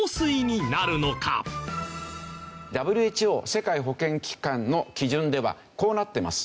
ＷＨＯ世界保健機関の基準ではこうなってます。